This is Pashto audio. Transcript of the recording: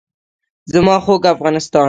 زما خوږ افغانستان.